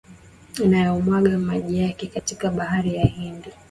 inayomwaga maji yake katika bahari ya Hindi